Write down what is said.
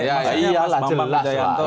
ya maksudnya mas mbak budayanto